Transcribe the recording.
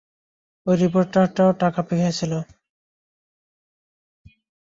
ঐ রিপোর্টারটাও টাকা খেয়েছিল।